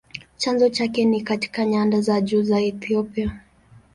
Chanzo chake ni katika nyanda za juu za Ethiopia.